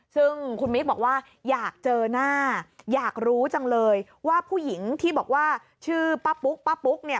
ซึ่งคุณมิ๊กบอกว่าอยากเจอหน้าอยากรู้จังเลยว่าผู้หญิงที่บอกว่าชื่อป้าปุ๊กป้าปุ๊กเนี่ย